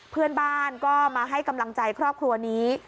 เพื่อนบ้านก็มาให้กำลังใจครอบครัวนี้